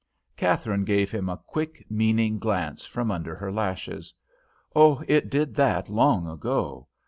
Katharine gave him a quick, meaning glance from under her lashes. "Oh, it did that long ago.